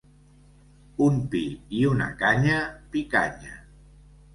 Un pi i una canya: Picanya.